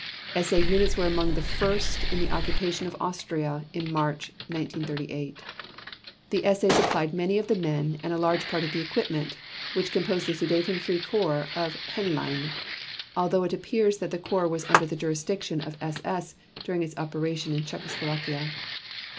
SA units were among the first in the occupation of Austria in March 1938. The SA supplied many of the men and a large part of the equipment which composed the Sudeten Free Corps of Henlein, although it appears that the corps was under the jurisdiction of SS during its operation in Czechoslovakia.